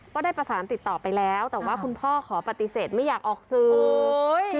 ก็ได้ประสานติดต่อไปแล้วแต่ว่าคุณพ่อขอปฏิเสธไม่อยากออกสื่อ